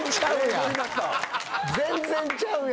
全然ちゃうやん。